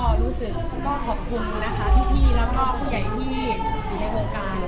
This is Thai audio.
ก็รู้สึกก็ขอบคุณนะคะพี่แล้วก็ผู้ใหญ่ที่อยู่ในวงการ